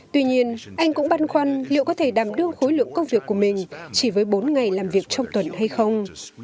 tuy nhiên anh cũng băn khoăn liệu có thể đảm đương khối lượng công việc của mình chỉ với bốn ngày làm việc trong tuần hay không